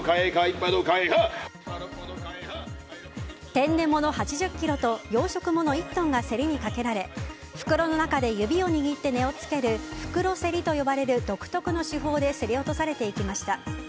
天然物８０ｋｇと養殖物１トンが競りにかけられ袋の中で指を握って値をつける袋競りと呼ばれる独特の手法で競り落とされていきました。